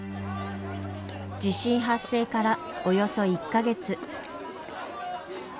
地震発生からおよそ１か月。